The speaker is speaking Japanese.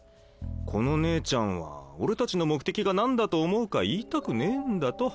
この姉ちゃんは俺たちの目的が何だと思うか言いたくねえんだと。